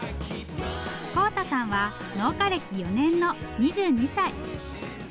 皓太さんは農家歴４年の２２歳。